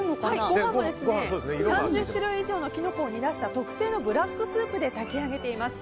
ご飯も３０種類以上のキノコを煮出した特製のブラックスープで炊き上げています。